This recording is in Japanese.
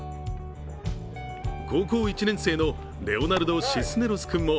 高校１年生のレオナルド・シスネロス君も